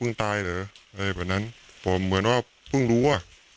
ซึ่งตายอะไรแบบนั้นพ่อมันว่าเพิ่งรู้ว่ะ